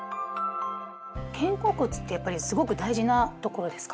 肩甲骨ってやっぱりすごく大事なところですか？